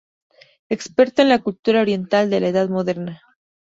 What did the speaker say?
Experto en la cultura oriental de la Edad Moderna.